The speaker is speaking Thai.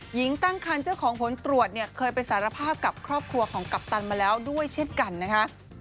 หญิงตั้งคันเจ้าของผลตรวจเนี่ยเคยไปสารภาพกับครอบครัวของกัปตันมาแล้วด้วยเช่นกันนะคะ